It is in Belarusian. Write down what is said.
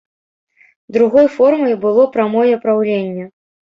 Другой формай было прамое праўленне.